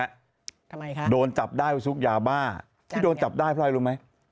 ทำไมคะโดนจับได้ว่าซุกยาบ้าที่โดนจับได้เพราะอะไรรู้ไหม